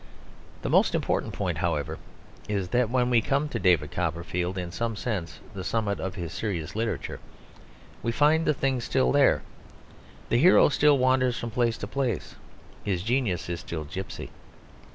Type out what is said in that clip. The most important point, however, is that when we come to David Copperfield, in some sense the summit of his serious literature, we find the thing still there. The hero still wanders from place to place, his genius is still gipsy.